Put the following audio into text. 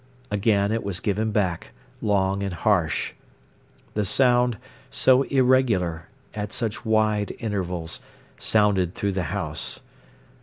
Again it was given back, long and harsh. The sound, so irregular, at such wide intervals, sounded through the house.